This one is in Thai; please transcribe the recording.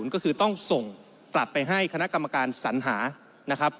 ก็คือต้องส่งกลับไปให้คณะกรรมการสัญหานะครับ